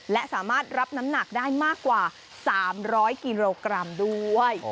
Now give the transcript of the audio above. และสามารถรับน้ำหนักได้มากกว่า๓๐๐กิโลกรัมด้วย